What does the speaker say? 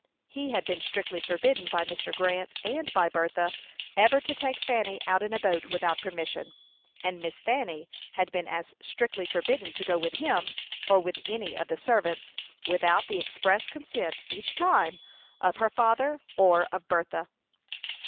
He had been strictly forbidden by Mr. Grant, and by Bertha, ever to take Fanny out in a boat without permission; and Miss Fanny had been as strictly forbidden to go with him, or with any of the servants, without the express consent, each time, of her father or of Bertha.